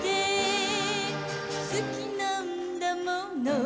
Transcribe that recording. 「好きなんだもの